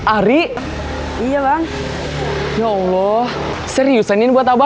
ari iya bang ya allah seriusan ini bukan apa apa